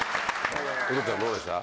ウドちゃんどうでした？